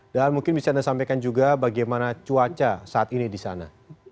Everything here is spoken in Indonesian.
dan mungkin bisa anda sampaikan juga bagaimana cuaca saat ini di sana